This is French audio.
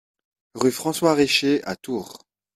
Rue François Richer à Tours